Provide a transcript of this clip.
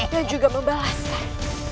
dan juga membalaskan